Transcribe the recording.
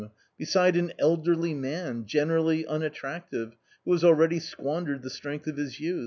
Beside an elderly man, generally unattractive, who has already squan dered the strength of his youth.